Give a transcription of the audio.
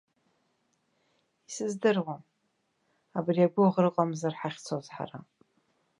Исыздыруам, абри агәыӷра ыҟамзар ҳахьцоз ҳара.